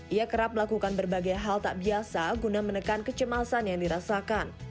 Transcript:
ia kerap melakukan berbagai hal tak biasa guna menekan kecemasan yang dirasakan